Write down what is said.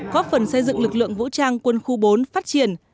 góp phần xây dựng lực lượng vũ trang quân khu bốn phát triển